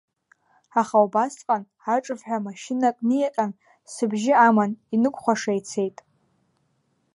Аха убасҟан аҿывҳәа машьынак ниаҟьан, сыбжьы аман инықәхәаша ицеит.